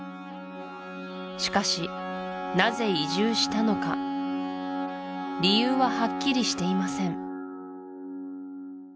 しかしなぜ移住したのか理由ははっきりしていません